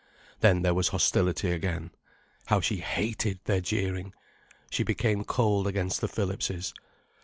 Then there was hostility again. How she hated their jeering. She became cold against the Phillipses.